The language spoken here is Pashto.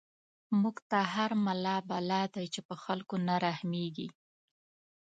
موږ ته هر ملا بلا دی، چی په خلکو نه رحميږی